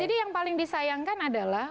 jadi yang paling disayangkan adalah